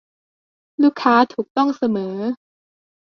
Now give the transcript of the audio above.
ลูกค้าถูกต้องเสมอ